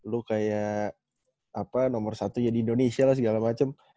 lu kayak nomor satunya di indonesia lah segala macem